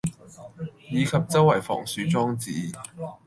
以及周圍防鼠裝置